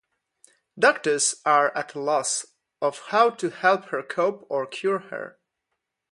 Doctors are at a loss of how to help her cope or cure her.